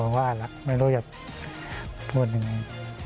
ผมว่าล่ะไม่รู้อยากพูดอย่างนั้น